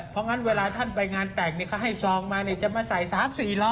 เพราะงั้นเวลาท่านไปงานแต่งเขาให้ซองมาจะมาใส่๓๔ล้อ